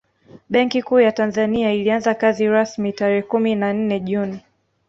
Benki Kuu ya Tanzania ilianza kazi rasmi tarehe kumi na nne Juni